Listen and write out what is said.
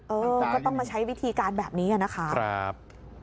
ก็ต้องมาใช้วิธีการแบบนี้นะคะ